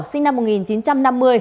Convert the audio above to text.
sinh năm một nghìn chín trăm năm mươi